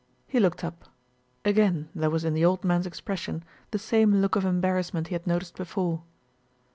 He looked up. Again there was in the old man's expression the same look of embarrassment he had noticed before.